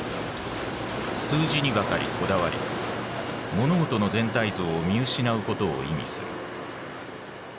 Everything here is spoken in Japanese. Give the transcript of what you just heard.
数字にばかりこだわり物事の全体像を見失うことを意味する。